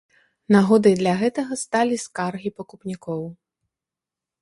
Нагодай для гэтага сталі скаргі пакупнікоў.